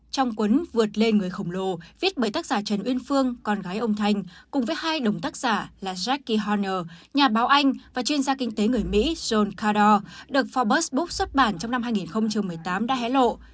trong cuốn vượt lên người khổng lồ viết bởi tác giả trần uyên phương con gái ông thanh cùng với hai đồng tác giả là jacki honner nhà báo anh và chuyên gia kinh tế người mỹ john kador được forbes book xuất bản trong năm hai nghìn một mươi tám đã hé lộ